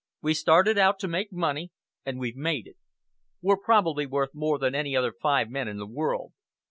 We started out to make money, and we've made it. We're probably worth more than any other five men in the world.